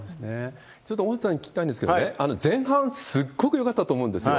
ちょっと大畑さんに聞きたいんですけれども、前半、すっごくよかったと思うんですよ。